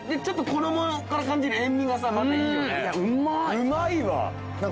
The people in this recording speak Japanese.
うまいわ。